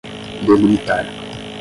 delimitar